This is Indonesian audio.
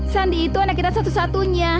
sandi itu anak kita satu satunya